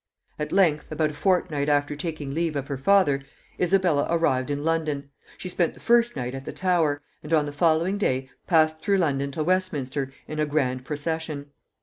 At length, about a fortnight after taking leave of her father, Isabella arrived in London. She spent the first night at the Tower, and on the following day passed through London to Westminster in a grand procession.